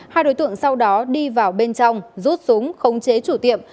hai đối tượng sau đó đi vào bên trong rút súng khống chế chủ tiệm